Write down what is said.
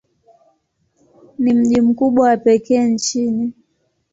Ni mji mkubwa wa pekee nchini.